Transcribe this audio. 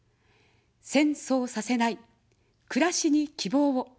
戦争させない、くらしに希望を。